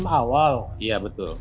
menyiapkan tahap konsorsium